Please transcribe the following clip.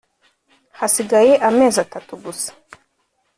hasigaye amezi atatu gusa